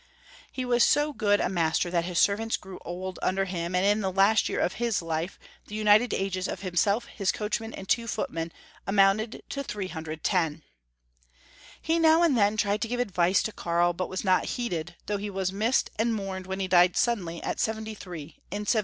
He was so good a master that his servants grew old under him, and in the last year of his life the united ages of him self, his coachman, and two footmen amounted 390 Young Folks^ History of Q ermany. to 310. He now and then tried to give advice to Kari, but was not heeded, though he was missed and mourned when he died suddenly at seventy three, in 1719.